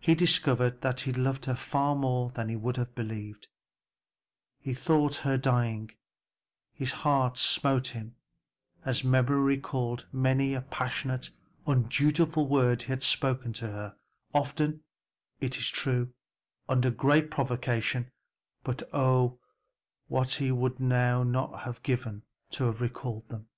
He discovered that he loved her far more than he would have believed; he thought her dying, and his heart smote him, as memory recalled many a passionate, undutiful word he had spoken to her; often, it is true, under great provocation, but oh, what would he not now have given to recall them.